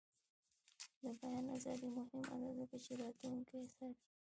د بیان ازادي مهمه ده ځکه چې راتلونکی ساتي.